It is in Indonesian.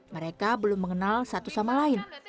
mereka belum mengenal satu sama lain